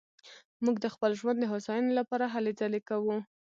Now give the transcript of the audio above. موږ د خپل ژوند د هوساينې لپاره هلې ځلې کوو